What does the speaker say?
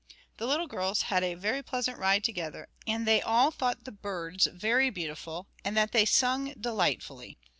The little girls had a very pleasant ride together, and they all thought the birds very beautiful, and that they sung delightfully.